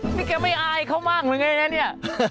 นี่แกไม่อายเขามากหรือไงนี่